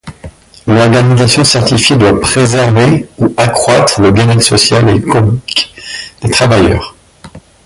L’organisation certifiée doit préserver ou accroître le bien-être social et économique des travailleurs.